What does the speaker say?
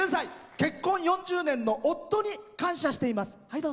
結婚４０年の夫に感謝しています。